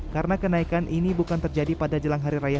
karena kenaikan ini bukan terjadi pada jelang hari raya